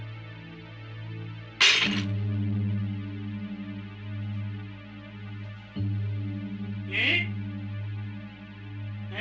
oh itu orangnya